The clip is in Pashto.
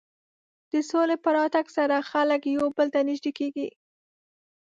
د سولې په راتګ سره خلک یو بل ته نژدې کېږي.